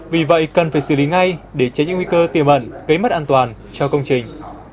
vì vậy cần phải xử lý ngay để tránh những nguy cơ tiềm ẩn gây mất an toàn cho công trình